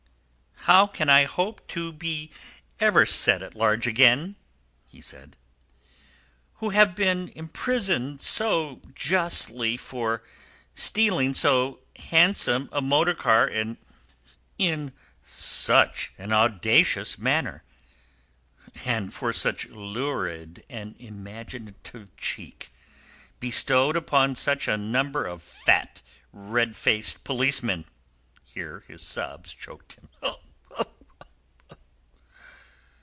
How can I hope to be ever set at large again" (he said), "who have been imprisoned so justly for stealing so handsome a motor car in such an audacious manner, and for such lurid and imaginative cheek, bestowed upon such a number of fat, red faced policemen!" (Here his sobs choked him.)